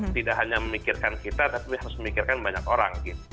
tidak hanya memikirkan kita tapi harus memikirkan banyak orang